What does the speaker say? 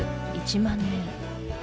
１万年